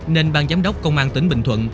nên bang giám đốc công an tỉnh bình thuận